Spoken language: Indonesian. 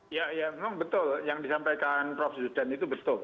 iya betul yang disampaikan prof zudan itu betul